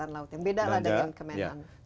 beda lah dengan kemenangan